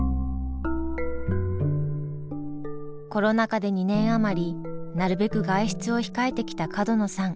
コロナ禍で２年余りなるべく外出を控えてきた角野さん。